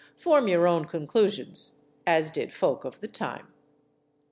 Form your own conclusions, as did folk of the time.